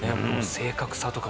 正確さとか。